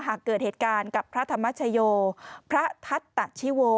หากเกิดเหตุการณ์กับพระธรรมชโยพระทัตตชิโว